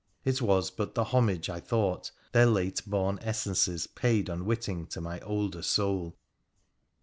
It was but the homage, I thought, their late born essences paid unwitting to my older soul.